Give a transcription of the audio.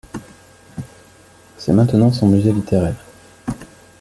C'est maintenant son musée littéraire.